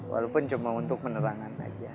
walaupun cuma untuk penerangan saja